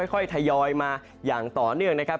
ค่อยทยอยมาอย่างต่อเนื่องนะครับ